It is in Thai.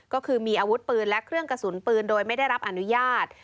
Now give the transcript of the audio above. ก็คือมีอาวุธปืนและเครื่องกระสุนปืนโดยไม่ได้รับอนุญาต